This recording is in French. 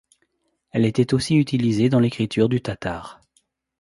Elle était aussi utilisée dans l’écriture du tatar.